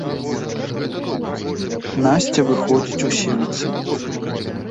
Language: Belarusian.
Насця выходзіць у сенцы.